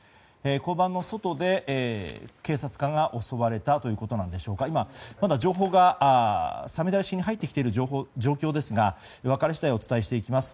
交番の外で警察官が襲われたんでしょうか今、まだ情報が五月雨式に入ってきている状況ですが分かり次第お伝えしていきます。